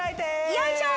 よいしょー！